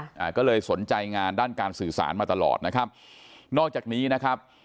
อ่าก็เลยสนใจงานด้านการสื่อสารมาตลอดนะครับนอกจากนี้นะครับ